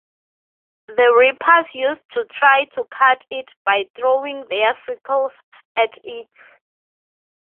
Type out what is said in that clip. The reapers used to try to cut it by throwing their sickles at it.